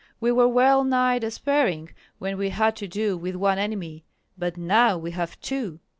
We were well nigh despairing when we had to do with one enemy, but now we have two."